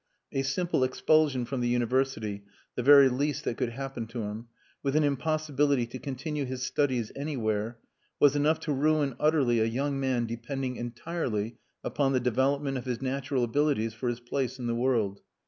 A simple expulsion from the University (the very least that could happen to him), with an impossibility to continue his studies anywhere, was enough to ruin utterly a young man depending entirely upon the development of his natural abilities for his place in the world.